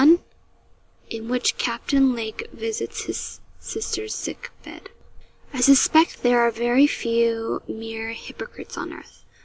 IN WHICH CAPTAIN LAKE VISITS HIS SISTER'S SICK BED. I suspect there are very few mere hypocrites on earth.